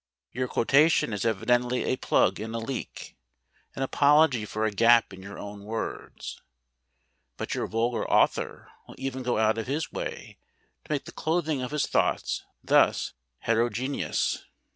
Your quotation is evidently a plug in a leak, an apology for a gap in your own words. But your vulgar author will even go out of his way to make the clothing of his thoughts thus heterogeneous.